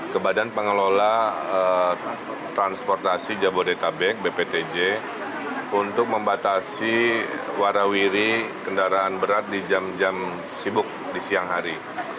ke badan pengelola transportasi jabodetabek bptj untuk membatasi warawiri kendaraan berat di jam jam sibuk di siang hari